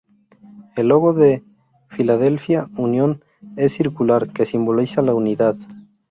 El logo del Philadelphia Union es circular, que simboliza la unidad.